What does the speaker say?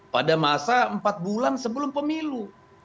pada masa empat bulan sebelum pemilu